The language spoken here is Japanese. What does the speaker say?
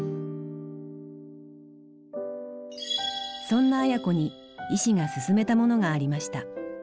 そんな綾子に医師が勧めたものがありました。